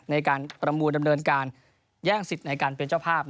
ในการประมูลดำเนินการแย่งสิทธิ์ในการเป็นเจ้าภาพ